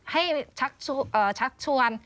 ให้ชักชวน